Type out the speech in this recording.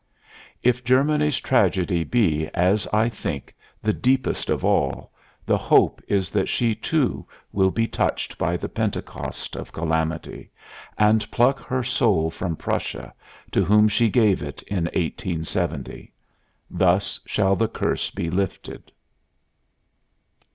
_ If Germany's tragedy be, as I think, the deepest of all, the hope is that she, too, will be touched by the Pentecost of Calamity, and pluck her soul from Prussia, to whom she gave it in 1870. Thus shall the curse be lifted.